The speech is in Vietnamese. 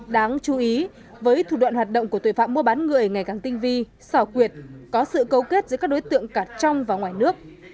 đáng chú ý với thủ đoạn hoạt động của tội phạm mua bán người ngày càng tinh vi xảo quyệt có sự cấu kết giữa các đối tượng cả trong và ngoài nước